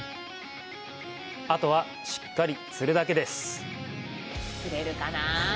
あとは、しっかり釣るだけです！